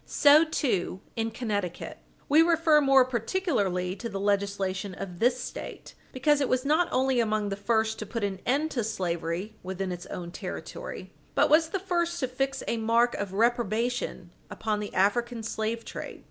So, too, in Connecticut. We refer more particularly to the legislation of this State, because it was not only among the first to put an end to slavery within its own territory, but was the first to fix a mark of reprobation upon the African slave trade.